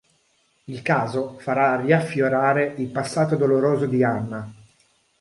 Il caso farà riaffiorare il passato doloroso di Anna.